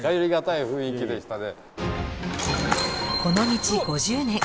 この道５０年。